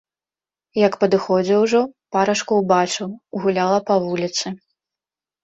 Як падыходзіў ужо, парачку ўбачыў, гуляла па вуліцы.